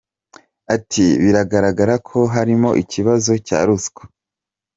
Ati “Biragaraga ko harimo ikibazo cya ruswa.